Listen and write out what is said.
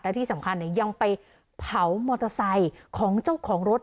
และที่สำคัญยังไปเผามอเตอร์ไซค์ของเจ้าของรถ